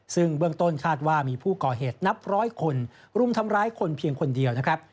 ซึ่งเบื้องต้นคาดว่ามีผู้ก่อเหตุนับร้อยคนรุมทำร้ายคนเพียงคนเดียวนะครับ